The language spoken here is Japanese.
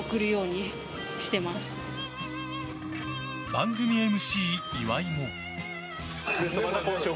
番組ＭＣ岩井も。